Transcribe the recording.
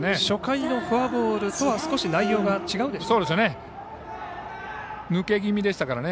初回のフォアボールとは少し内容が違うでしょうか。